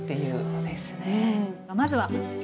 そうですね。